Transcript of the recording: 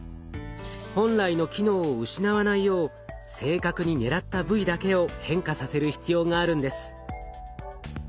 本来の機能を失わないよう正確に狙った部位だけを変化させる必要があるんです。